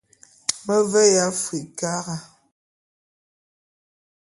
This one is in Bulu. Me veya Afrikara.